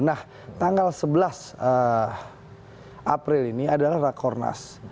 nah tanggal sebelas april ini adalah rakornas